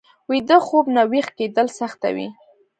ویده خوب نه ويښ کېدل سخته وي